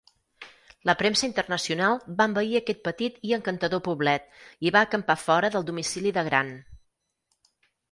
La premsa internacional va envair aquest petit i encantador poblet i va acampar fora del domicili de Grant.